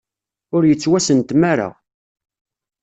Ur yettwasentem ara.